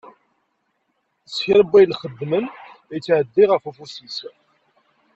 Kra n wayen xeddmen, ittɛeddi ɣef ufus-is.